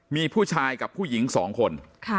มีผู้ชายกับผู้หญิง๒คน